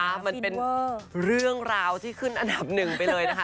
มันเป็นเรื่องราวที่ขึ้นอันดับหนึ่งไปเลยนะคะ